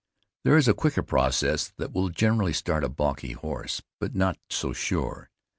There is a quicker process that will generally start a balky horse, but not so sure.